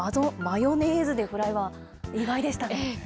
マヨネーズでフライは意外でしたね。